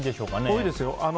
多いですよ。